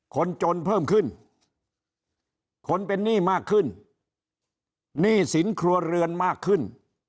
คนจนเพิ่มขึ้นคนเป็นหนี้มากขึ้นหนี้สินครัวเรือนมากขึ้น